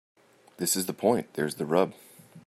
This is the point. There's the rub.